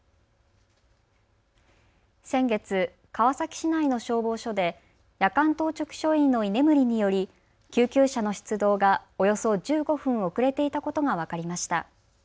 先月、川崎市内の消防署で夜間当直署員の居眠りにより救急車の出動がおよそ１５分遅れていたことが分かりました。